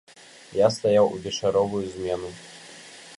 Я стаяў у вечаровую змену.